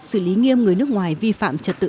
xử lý nghiêm người nước ngoài vi phạm trật tự